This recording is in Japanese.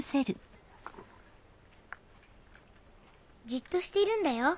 じっとしてるんだよ